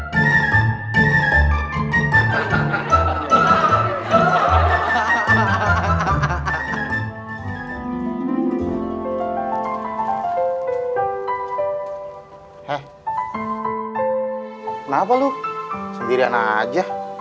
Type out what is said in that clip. kenapa lo sendirian aja